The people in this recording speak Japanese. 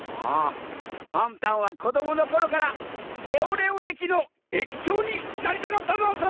パンタンはこどものころからレオレオ駅の駅長になりたかったざんす！